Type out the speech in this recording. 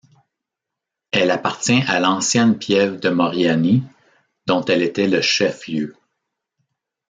Elle appartient à l'ancienne piève de Moriani dont elle était le chef-lieu.